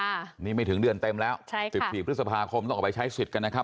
อันนี้ไม่ถึงเดือนเต็มแล้วใช่ค่ะสิบสี่พฤษภาคมต้องออกไปใช้สิทธิ์กันนะครับ